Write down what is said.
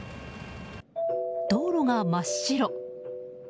道路が真っ白。